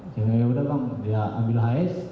jadi abang ya ambil hs